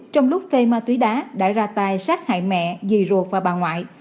trong lúc phê ma túy đá đã ra tài sát hại mẹ dì ruột và bà ngoại